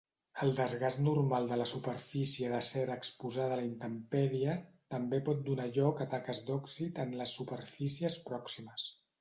El desgast normal de la superfície d'acer exposada a la intempèrie també pot donar lloc a taques d'òxid en les superfícies pròximes.